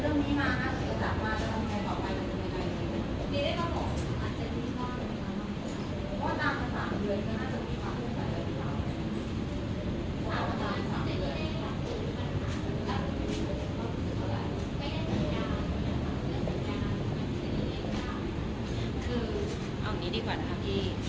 เอาอย่างนี้ดีกว่านะครับพี่